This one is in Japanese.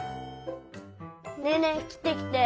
ねえねえきてきて！